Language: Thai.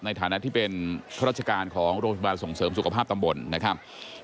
ในฐานะที่เป็นข้าราชการของโรงพยาบาลส่งเสริมสุขภาพตำบลนะครับ